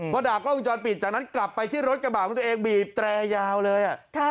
พอด่ากล้องวงจรปิดจากนั้นกลับไปที่รถกระบาดของตัวเองบีบแตรยาวเลย